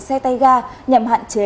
xe tay ga nhằm hạn chế